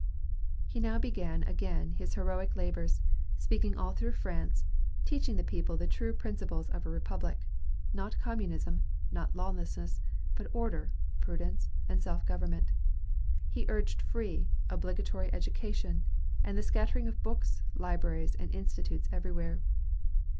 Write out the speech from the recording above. He now began again his heroic labors, speaking all through France, teaching the people the true principles of a republic; not communism, not lawlessness, but order, prudence, and self government. He urged free, obligatory education, and the scattering of books, libraries, and institutes everywhere.